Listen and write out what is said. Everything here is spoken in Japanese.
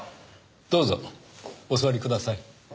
どうぞお座りください。